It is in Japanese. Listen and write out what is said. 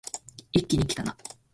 一気にきたな